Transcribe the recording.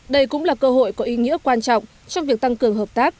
đây cũng là cơ hội có ý nghĩa quan trọng trong việc tăng cường hợp tác